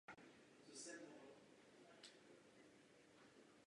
Během služby prošly střely řadou modernizací.